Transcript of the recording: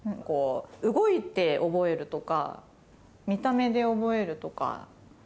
動いて覚えるとか見た目で覚えるとか。